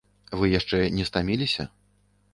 Вы яшчэ не стаміліся?